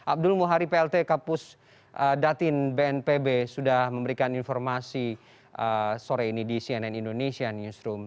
abdul muhari plt kapus datin bnpb sudah memberikan informasi sore ini di cnn indonesia newsroom